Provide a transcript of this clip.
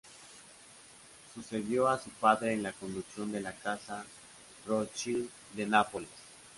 Sucedió a su padre en la conducción de la casa Rothschild de Nápoles.